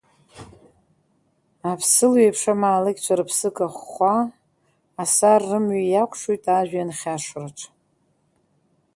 Аԥсылҩеиԥш амаалықьцәа рыԥсы кахәхәа, Асар рымҩа иакәшоит ажәҩан хьашраҿ.